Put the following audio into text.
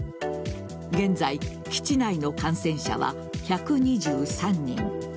現在、基地内の感染者は１２３人。